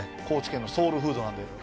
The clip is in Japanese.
高知県のソウルフードなんで。